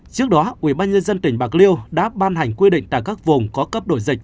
trước đó ubnd tỉnh bạc liêu đã ban hành quy định tại các vùng có cấp đổi dịch